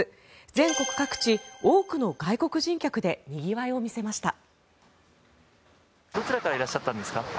全国各地、多くの外国人客でにぎわいを見せました。